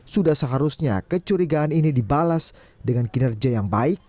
sudah seharusnya kecurigaan ini dibalas dengan kinerja yang baik